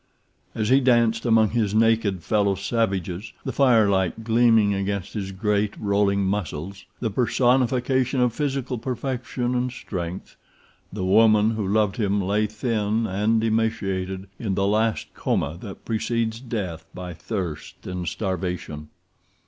As he danced among his naked fellow savages, the firelight gleaming against his great, rolling muscles, the personification of physical perfection and strength, the woman who loved him lay thin and emaciated in the last coma that precedes death by thirst and starvation.